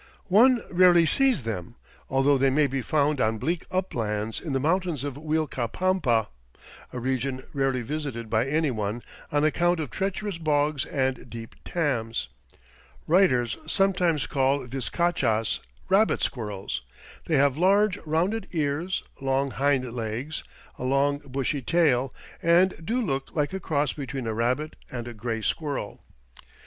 One rarely sees them, although they may be found on bleak uplands in the mountains of Uilcapampa, a region rarely visited by any one on account of treacherous bogs and deep tams. Writers sometimes call viscachas "rabbit squirrels." They have large, rounded ears, long hind legs, a long, bushy tail, and do look like a cross between a rabbit and a gray squirrel.